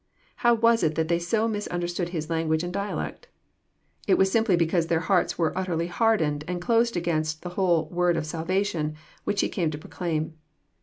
— How was it that they so misunderstood His language and dialect? It was simply because their hearts were utterly hardened and closed against the whole " word of salvation " which He came to proclaim.